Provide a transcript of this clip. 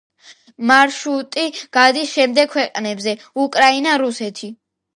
მარშრუტი გადის შემდეგ ქვეყნებზე: უკრაინა, რუსეთი.